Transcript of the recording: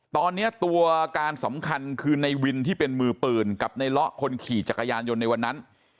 ตอนนี้ตัวการสำคัญคือในวินที่เป็นมือปืนกับในเลาะคนขี่จักรยานยนต์ในวันนั้น